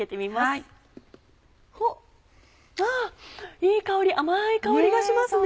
いい香り甘い香りがしますね。